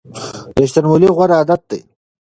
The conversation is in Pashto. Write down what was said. ریښتینولي غوره عادت دی.